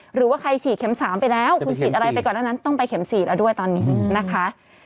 หรือว่าใครฉีดเข็ม๓ไปแล้วคุณฉีดอะไรไปก่อนหน้านั้นต้องไปเข็ม๔แล้วด้วยตอนนี้นะคะ